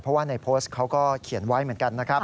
เพราะว่าในโพสต์เขาก็เขียนไว้เหมือนกันนะครับ